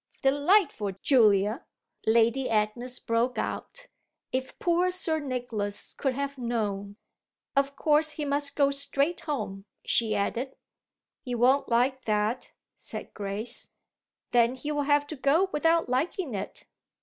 "Delightful Julia!" Lady Agnes broke out. "If poor Sir Nicholas could have known! Of course he must go straight home," she added. "He won't like that," said Grace. "Then he'll have to go without liking it."